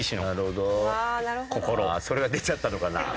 それが出ちゃったのかな？